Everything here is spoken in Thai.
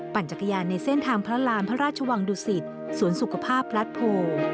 จักรยานในเส้นทางพระราณพระราชวังดุสิตสวนสุขภาพพลัดโพ